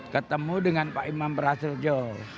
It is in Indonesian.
ketemu dengan pak imam prasetjo